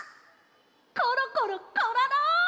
コロコロコロロ！